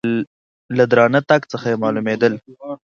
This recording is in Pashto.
له درانه تګ څخه یې مالومېدل .